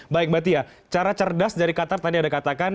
baik mbak tia cara cerdas dari qatar tadi ada katakan